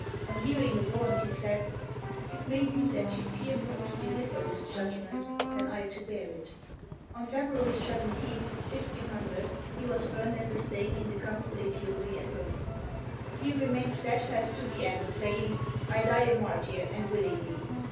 On hearing the warrant he said, "It may be that you fear more to deliver this judgment than I to bear it." On February 17th, 1600, he was burned at the stake in the Campo de' Fiori at Rome. He remained steadfast to the end, saying, "I die a martyr, and willingly."